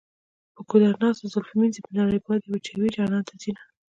په ګودر ناسته زلفې مینځي په نري باد یې وچوي جانان ته ځینه.